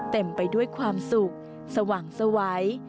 เต็มไปด้วยความสุขสว่างสวัย